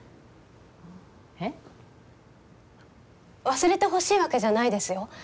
忘れてほしいわけじゃないですよ。